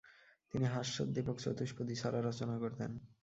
তিনি হাস্যোদ্দীপক চতুষ্পদী ছড়া রচনা করতেন।